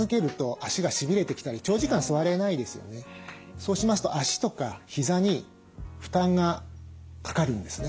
そうしますと脚とか膝に負担がかかるんですね。